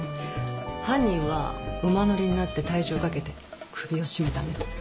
犯人は馬乗りになって体重をかけて首を絞めたのよ。